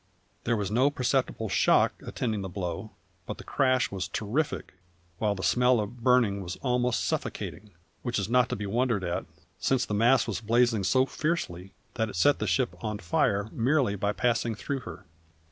There was no perceptible shock attending the blow, but the crash was terrific, while the smell of burning was almost suffocating which is not to be wondered at, since the mass was blazing so fiercely that it set the ship on fire merely by passing through her.